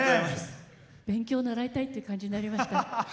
勉強習いたいって感じになりました。